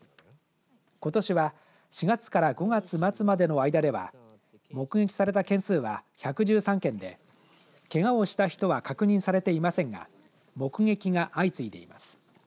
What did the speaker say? ことしは４月から５月末までの間では目撃された件数は１１３件でけがをした人は確認されていませんが目撃が相次いでいます。